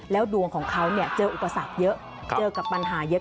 แล้วดวงของเขาเจออุปสรรคเยอะเจอกับปัญหาเยอะ